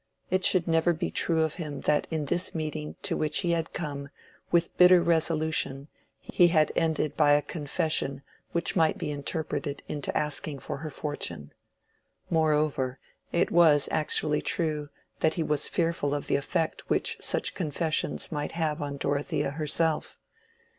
It should never be true of him that in this meeting to which he had come with bitter resolution he had ended by a confession which might be interpreted into asking for her fortune. Moreover, it was actually true that he was fearful of the effect which such confessions might have on Dorothea herself.